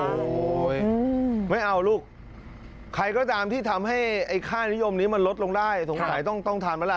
โอ้โหไม่เอาลูกใครก็ตามที่ทำให้ไอ้ค่านิยมนี้มันลดลงได้สงสัยต้องทานไหมล่ะ